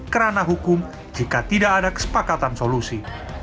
kerana hukum jika tidak ada kesepakatan solusi